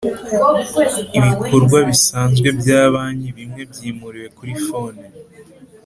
Ibikorwa bisanzwe bya banki bimwe byimuriwe kuri Phone